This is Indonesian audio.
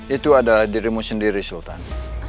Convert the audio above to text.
itu adalah dirimu sendiri sultan